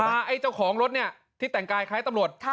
ไอ้เจ้าของรถเนี่ยที่แต่งกายคล้ายตำรวจ